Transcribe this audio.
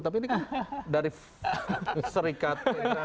tapi ini kan dari serikat